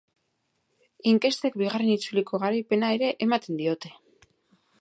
Inkestek bigarren itzuliko garaipena ere ematen diote.